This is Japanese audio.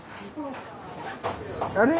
あれ？